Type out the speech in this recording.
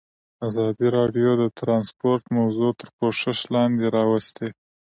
ازادي راډیو د ترانسپورټ موضوع تر پوښښ لاندې راوستې.